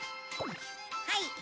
はい。